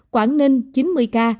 quảng ninh một trăm hai mươi bốn ca